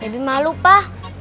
debbie malu pak